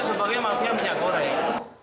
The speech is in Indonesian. sebagai mafia minyak goreng